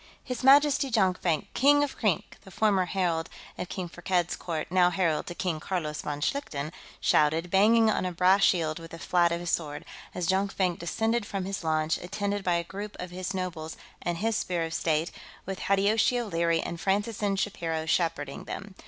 "His Majesty, Jonkvank, King of Krink!" the former herald of King Firkked's court, now herald to King Carlos von Schlichten, shouted, banging on a brass shield with the flat of his sword, as Jonkvank descended from his launch, attended by a group of his nobles and his Spear of State, with Hideyoshi O'Leary and Francis N. Shapiro shepherding them.